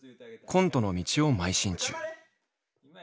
コントの道を邁進中。